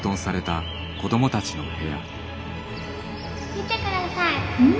見てください。